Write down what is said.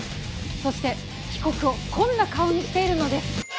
そして被告をこんな顔にしているのです！